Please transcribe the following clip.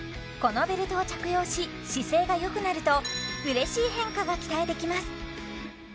このベルトを着用し姿勢がよくなると嬉しい変化が期待できます